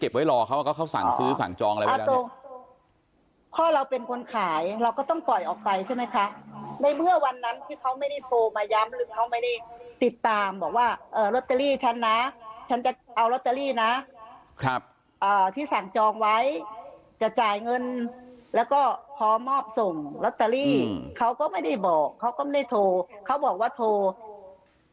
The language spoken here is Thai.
ฉันจะเอาลอตเตอรี่นะที่สั่งจองไว้จะจ่ายเงินแล้วก็พอมอบส่งลอตเตอรี่เขาก็ไม่ได้บอกเขาก็ไม่ได้โทรเขาบอกว่าโทร